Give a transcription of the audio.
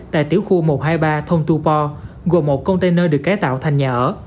tại tiểu khu một trăm hai mươi ba thôn tu po gồm một container được cải tạo thành nhà ở